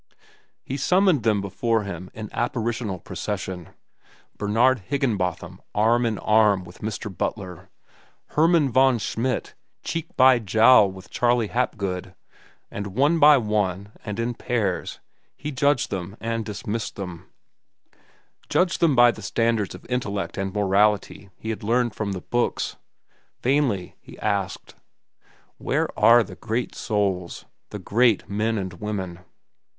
He summoned them before him in apparitional procession: Bernard Higginbotham arm in arm with Mr. Butler, Hermann von Schmidt cheek by jowl with Charley Hapgood, and one by one and in pairs he judged them and dismissed them—judged them by the standards of intellect and morality he had learned from the books. Vainly he asked: Where are the great souls, the great men and women?